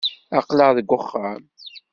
Aql-aɣ deg uxxam.